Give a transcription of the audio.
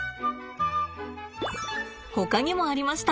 ほかにもありました。